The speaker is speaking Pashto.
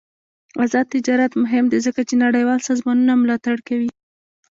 آزاد تجارت مهم دی ځکه چې نړیوال سازمانونه ملاتړ کوي.